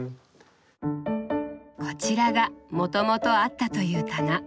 こちらがもともとあったという棚。